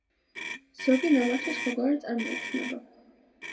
ზოგი ნამარხი სხვაგვარად წარმოიქმნება.